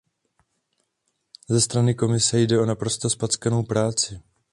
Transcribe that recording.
Ze strany Komise jde o naprosto zpackanou práci.